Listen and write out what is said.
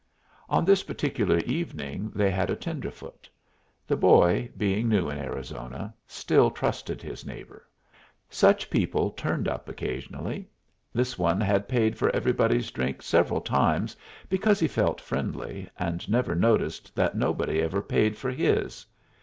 On this particular evening they had a tenderfoot. The boy, being new in Arizona, still trusted his neighbor. Such people turned up occasionally. This one had paid for everybody's drink several times, because he felt friendly, and never noticed that nobody ever paid for his.